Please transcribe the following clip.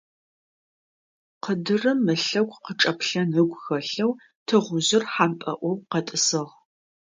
Къыдырым ылъэгу къычӀэплъэн ыгу хэлъэу тыгъужъыр хьампӀэӏоу къэтӀысыгъ.